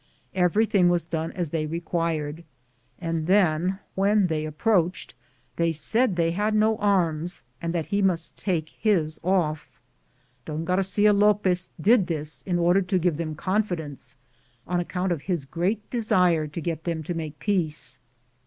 Every thing was done as they required, and then when they approached they said that they had no arms and that he must take his off. Don Garcia Lopez did this in order to give them confidence, on account of his great de sire to get them to make peace.